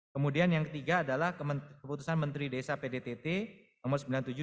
kemudian yang ketiga adalah keputusan menteri desa pdtt nomor sembilan puluh tujuh dua ribu